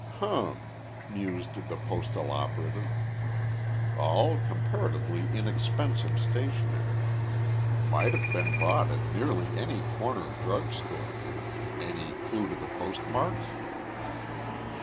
"Hum!" mused the postal operative, "all comparatively inexpensive stationery. Might have been bought at nearly any corner drug store. Any clue in the postmarks?"